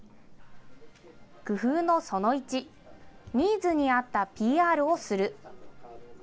工夫のその１、ニーズに合ったＰＲをする。